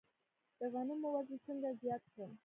د غنمو وزن څنګه زیات کړم؟